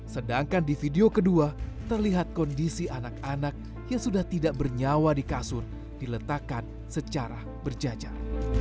sedangkan di video kedua terlihat kondisi anak anak yang sudah tidak bernyawa di kasur diletakkan secara berjajar